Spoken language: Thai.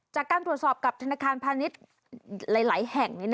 จากการตรวจสอบกับธนาคารพาณิชย์หลายแห่ง